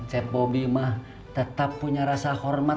cep bobi mah tetap punya rasa hormat